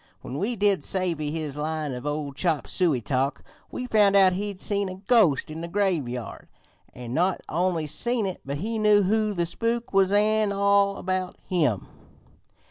When we did savvy his line of chop suey talk, we found out he'd seen a ghost in the graveyard, an' not only seen it but he knew who the spook was an' all about him.